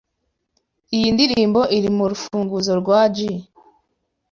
Iyi ndirimbo iri murufunguzo rwa G.